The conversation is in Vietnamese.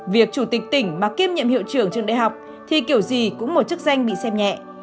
việc chủ tịch tỉnh mà kiêm nhiệm hiệu trưởng trường đại học thì kiểu gì cũng một chức danh bị xem nhẹ